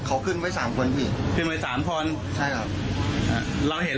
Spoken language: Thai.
อันนี้ผมรู้เรื่องจริง